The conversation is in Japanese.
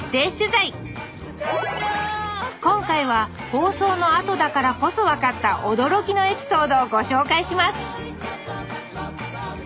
今回は放送のあとだからこそ分かった驚きのエピソードをご紹介します！